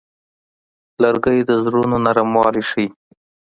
لرګی د زړونو نرموالی ښيي.